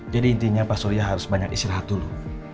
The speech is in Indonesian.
jadi intinya pak surya harus banyak istirahat dulu